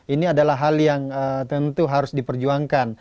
ini adalah hal yang tentu harus diperjuangkan